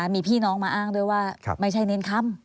มีพี่น้องมาอ้างด้วยว่าไม่ใช่เนรคำ